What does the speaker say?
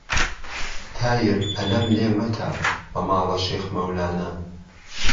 تایر پەلەم لێ مەکە بە ماڵە شێخ مەولانە